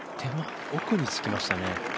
奥につけましたね。